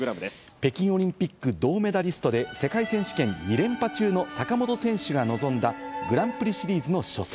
北京オリンピック銅メダリストで世界選手権２連覇中の坂本選手が臨んだグランプリシリーズの初戦。